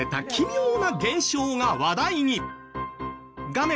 画面